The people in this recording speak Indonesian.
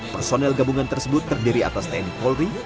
personel gabungan tersebut terdiri atas tni polri